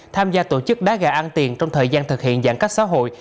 tham gia tổ chức đá gà ăn tiền trong thời gian thực hiện giãn cách xã hội